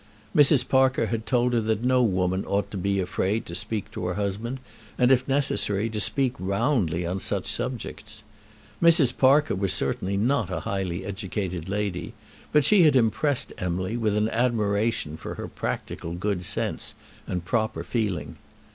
Mrs. Parker had told her that no woman ought to be afraid to speak to her husband, and, if necessary, to speak roundly on such subjects. Mrs. Parker was certainly not a highly educated lady, but she had impressed Emily with an admiration for her practical good sense and proper feeling.